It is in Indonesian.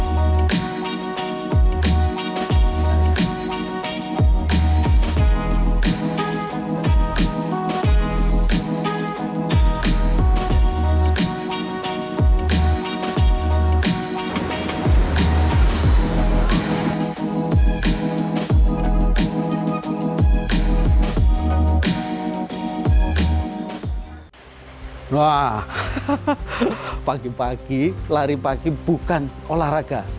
wah pagi pagi lari pagi bukan olahraga